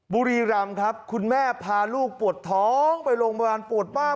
บุรีรำครับคุณแม่พาลูกปวดท้องไปโรงพยาบาลปวดมาก